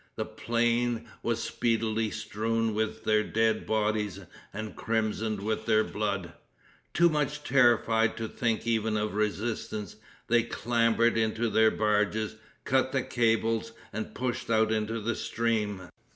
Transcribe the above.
The plain was speedily strewn with their dead bodies and crimsoned with their blood. Too much terrified to think even of resistance, they clambered into their barges, cut the cables, and pushed out into the stream.